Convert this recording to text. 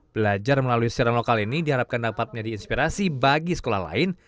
belajar melalui siaran lokal ini diharapkan dapat menjadi inspirasi bagi sekolah lain